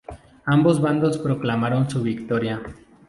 Ambos bandos proclamaron su victoria.